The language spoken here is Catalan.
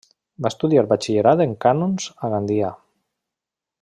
Va estudiar batxillerat en cànons a Gandia.